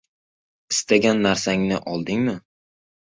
– Istagan narsangni oldingmi?